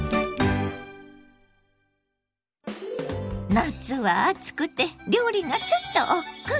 夏は暑くて料理がちょっとおっくう。